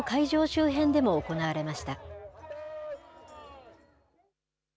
周辺でも行われました。